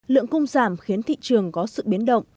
lượng cung giảm khiến thị trường có sự biến động